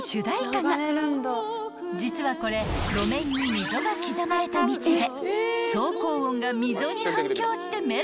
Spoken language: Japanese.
［実はこれ路面に溝が刻まれた道で］